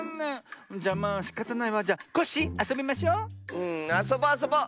うんあそぼうあそぼう！